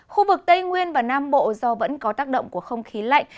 khu vực tây nguyên và nam bộ do vẫn có tác động của không khí lạnh